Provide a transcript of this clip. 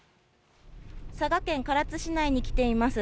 佐賀県唐津市内に来ています。